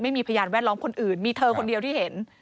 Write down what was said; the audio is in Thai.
พยานแวดล้อมคนอื่นมีเธอคนเดียวที่เห็น